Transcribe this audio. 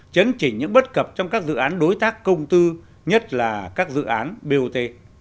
chấn chỉnh những bất cập trong các dự án đối tác công tư nhất là các dự án bot